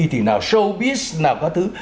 thì nào showbiz nào các thứ